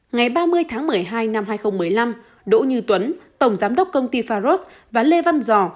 ngày ba mươi tháng một mươi hai năm hai nghìn một mươi năm đỗ như tuấn tổng giám đốc công ty faros và lê văn giò